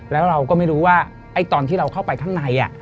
แล้วเราก็ไม่รู้ว่าตอนที่เราเข้าไปข้างใน